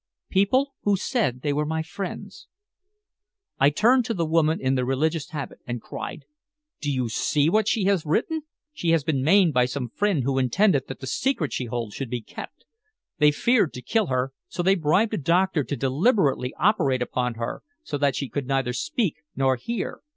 "People who said they were my friends." I turned to the woman in the religious habit, and cried "Do you see what she has written? She has been maimed by some friends who intended that the secret she holds should be kept. They feared to kill her, so they bribed a doctor to deliberately operate upon her so that she could neither speak nor hear.